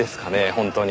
本当に。